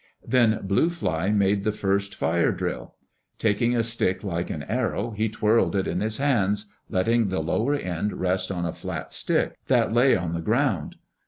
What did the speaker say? Then Blue Fly made the first fire drill. Taking a stick like an arrow he twirled it in his hands, letting the lower end rest on a flat stick that lay on the ground.